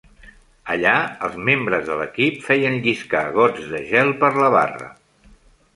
Allà, els membres de l'equip feien lliscar gots de gel per la barra.